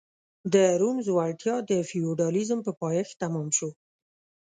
د روم ځوړتیا د فیوډالېزم په پایښت تمام شو.